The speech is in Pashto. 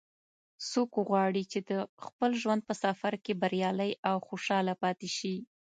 څوک غواړي چې د خپل ژوند په سفر کې بریالی او خوشحاله پاتې شي